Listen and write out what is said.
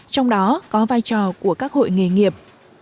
trong đó có vai trò của các hội nghề nghiệp